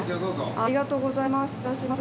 ありがとうございます。